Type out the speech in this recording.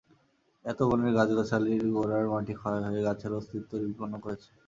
এতে বনের গাছগাছালির গোড়ার মাটি ক্ষয় হয়ে গাছের অস্তিত্ব বিপন্ন করছে।